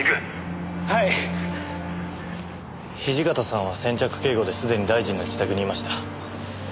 土方さんは先着警護で既に大臣の自宅にいました。